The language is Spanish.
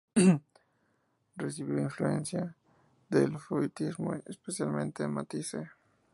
Recibió la influencia del fauvismo y especialmente de Matisse.